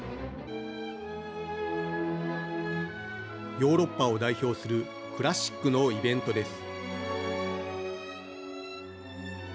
ヨーロッパを代表するクラシックのイベントです。